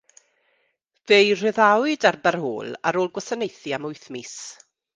Fe'u rhyddhawyd ar barôl ar ôl gwasanaethu am wyth mis.